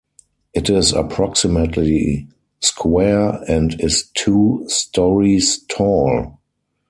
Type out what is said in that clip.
It is approximately square and is two storeys tall.